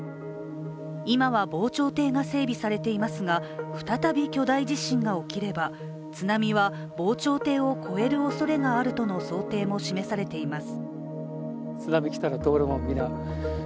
今は、防潮堤が整備されていますが再び巨大地震が起きれば津波は防潮堤を越えるおそれがあるとの想定も示されています。